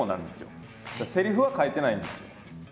セリフは書いてないんですよ。